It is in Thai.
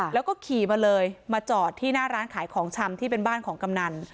แล้วก็ขี่มาเลยมาจอดที่หน้าร้านขายของชำที่เป็นบ้านของกำนัน